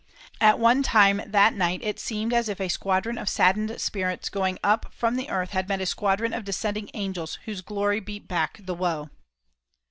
At one time that night it seemed as if a squadron of saddened spirits going up from earth had met a squadron of descending angels whose glory beat back the woe.